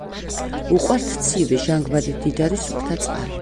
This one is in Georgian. უყვართ ცივი, ჟანგბადით მდიდარი, სუფთა წყალი.